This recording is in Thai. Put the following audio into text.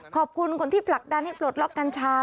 ขอบคุณคนที่ผลักดันให้ปลดล็อกกัญชา